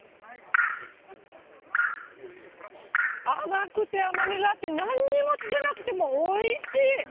甘くて、甘みがあって、なんにもつけなくてもおいしい。